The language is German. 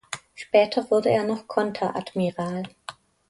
Später wurde er noch Konteradmiral.